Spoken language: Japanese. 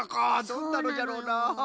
どんなのじゃろうな？